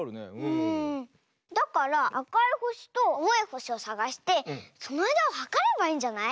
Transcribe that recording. だからあかいほしとあおいほしをさがしてそのあいだをはかればいいんじゃない？